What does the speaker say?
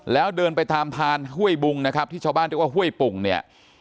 แล้วเดินไปตามทานห้วยบุงนะครับที่ชาวบ้านเรียกว่าห้วยปุ่งเนี่ย